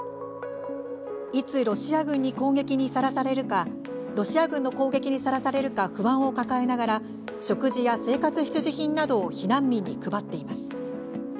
いつロシア軍の攻撃にさらされるか、不安を抱えながら食事や生活必需品などを避難民に配っています。